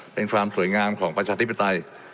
เป็นความสวยงามของประชาธิปไตย